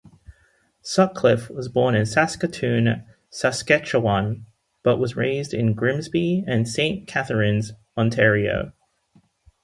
Sutcliffe was born in Saskatoon, Saskatchewan, but raised in Grimsby and Saint Catharines, Ontario.